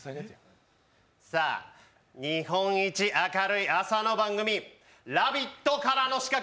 さあ、日本一明るい朝の番組、「ラヴィット！」からの刺客